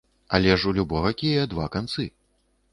Але ж у любога кія два канцы.